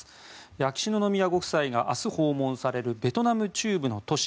秋篠宮ご夫妻が明日訪問されるベトナム中部の都市